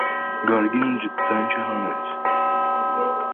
Գարեգինը ձայն չհանեց: